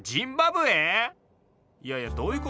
いやいやどういうこと？